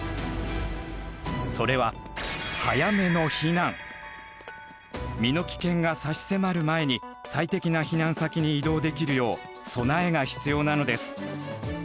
それは身の危険が差し迫る前に最適な避難先に移動できるよう備えが必要なのです。